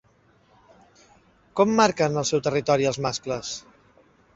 Com marquen el seu territori els mascles?